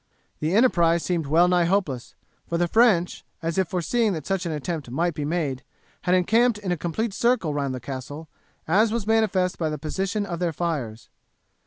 The enterprise seemed well nigh hopeless, for the French, as if foreseeing that such an attempt might be made, had encamped in a complete circle round the castle, as was manifest by the position of their fires.